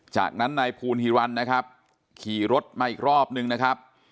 จากนั้นนายภูนิรันดิ์ขี่รถมาอีกรอบหนึ่งนะครับ